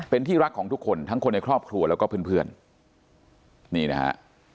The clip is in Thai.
เป็นที่รักของทุกคนทั้งคนในครอบครัวแล้วก็เพื่อนเพื่อนนี่นะฮะ